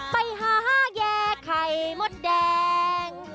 ไปหาแย่ไข่มดแดง